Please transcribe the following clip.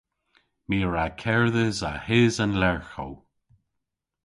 My a wra kerdhes a-hys an lerghow.